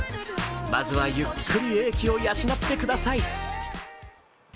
まずはゆっくり英気を養ってください。